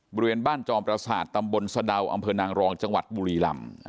บริเวณบ้านจอมประสาทตำบลสะดาวอำเภอนางรองจังหวัดบุรีลำ